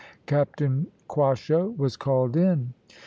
Captain Quasho was called in.